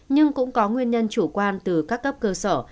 nhưng cũng có nguyên nhân chủ quan từ các cấp cơ sở